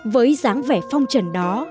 với dáng vẻ phong trần đó